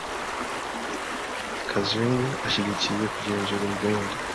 Kazungu ashyigikiye kugenzura imbunda.